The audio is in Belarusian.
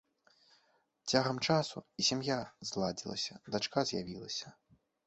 Цягам часу і сям'я зладзілася, дачка з'явілася.